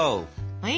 はい。